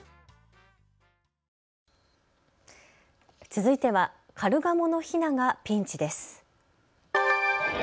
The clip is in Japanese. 続いてはカルガモのひながピンチです。